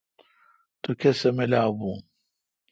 تو کسہ ملاپ بھو ۔